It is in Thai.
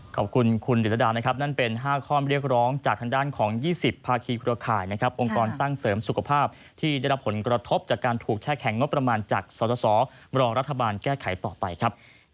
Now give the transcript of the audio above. ขอบคุณคุณดิรดานะครับนั่นเป็น๕ข้อเรียกร้องจากทางด้านของ๒๐ภาคีเครือข่ายนะครับองค์กรสร้างเสริมสุขภาพที่ได้รับผลกระทบจากการถูกแช่แข็งงบประมาณจากสสรอรัฐบาลแก้ไขต่อไปครับ